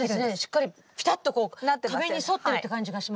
しっかりピタッとこう壁に沿ってるって感じがしますよね。